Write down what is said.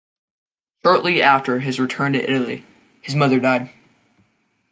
Shortly after his return to Italy, his mother died.